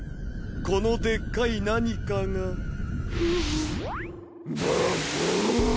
このでっかい何かがばっふん！